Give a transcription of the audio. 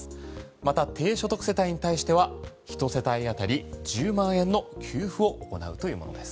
また低所得世帯に対しては１世帯当たり１０万円の給付を行うというものです。